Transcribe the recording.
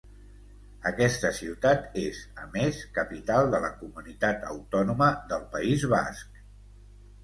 Aquesta ciutat és, a més, capital de la comunitat autònoma del País Basc.